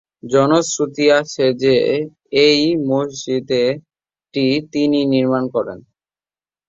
জনশ্রুতি আছে যে, এই মসজিদটি তিনিই নির্মাণ করেন।